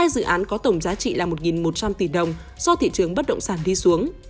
một mươi dự án có tổng giá trị là một một trăm linh tỷ đồng do thị trường bất động sản đi xuống